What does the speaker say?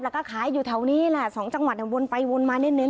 แล้วก็ขายอยู่แถวนี้แหละ๒จังหวัดวนไปวนมานิด